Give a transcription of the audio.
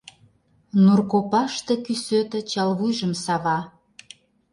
Нур копаште кӱсото чал вуйжым сава…